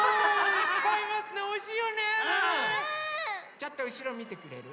ちょっとうしろみてくれる？